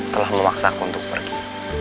telah memaksaku untuk pergi